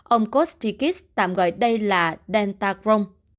ông kostikis tạm gọi đây là delta crohn